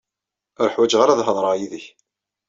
Ur ḥwaǧeɣ ara ad hedreɣ yid-k.